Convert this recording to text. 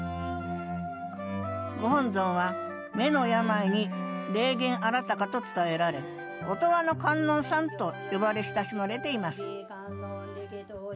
ご本尊は目の病に霊験あらたかと伝えられ「音羽の観音さん」と呼ばれ親しまれています